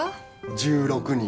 １６人。